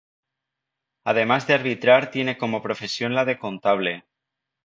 Además de arbitrar tiene como profesión la de contable.